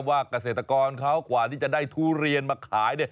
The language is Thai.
เกษตรกรเขากว่าที่จะได้ทุเรียนมาขาย